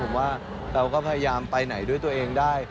ผมว่าเราก็พยายามไปไหนด้วยตัวเองได้